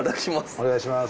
お願いします。